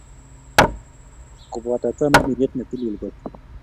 Koboto Tamirmiriet ne tilil kot